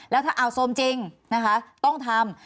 แล้วถ้าอ่าวโซมจริงนะคะต้องทำ